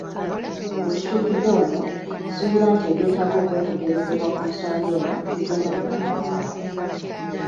We tutuukidde wano nsuubira nti ebyetaaga okwetegerezebwa ku nsonga eno bigenda bitangaala.